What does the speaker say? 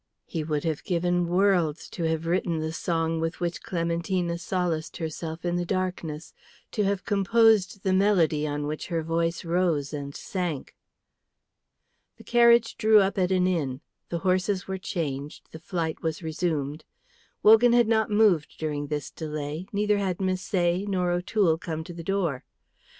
He would have given worlds to have written the song with which Clementina solaced herself in the darkness, to have composed the melody on which her voice rose and sank. The carriage drew up at an inn; the horses were changed; the flight was resumed. Wogan had not moved during this delay, neither had Misset nor O'Toole come to the door.